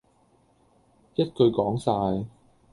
一句講哂